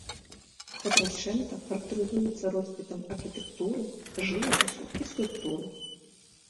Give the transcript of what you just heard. Кватрачэнта характарызуецца росквітам архітэктуры, жывапісу і скульптуры.